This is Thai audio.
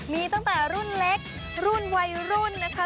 มีตั้งแต่รุ่นเล็กรุ่นวัยรุ่นนะคะ